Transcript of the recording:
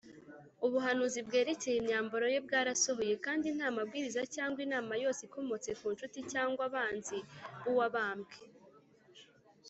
ubuhanuzi bwerekeye imyambaro ye bwarasohoye, kandi nta mabwiriza cyangwa inama yose ikomotse ku nshuti cyangwa abanzi b’uwabambwe